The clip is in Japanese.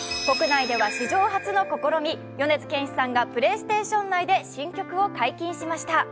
国内では史上初の試み、米津玄師さんがプレイステーション内で新曲を発表しました。